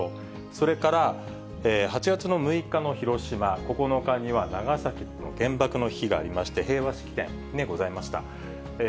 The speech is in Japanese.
それから、８月の６日の広島、９日には長崎の原爆の日がありまして、平和式典ございます。